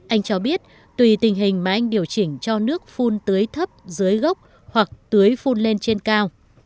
anh cho biết tùy tình hình mà anh điều chỉnh cho nước phun tưới thấp dưới gốc hoặc tưới phun lên trên cao